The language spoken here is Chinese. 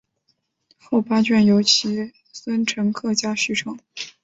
后八卷由其孙陈克家续成。